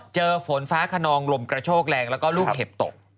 ฝนฟ้าขนองลมกระโชกแรงแล้วก็ลูกเห็บตก